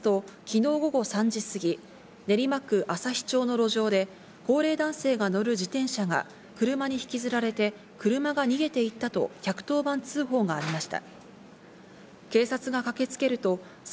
警視庁によりますと昨日午後３時過ぎ、練馬区旭町の路上で、高齢男性が乗る自転車が車に引きずられて、車が逃げていったと１１０番通報がありました。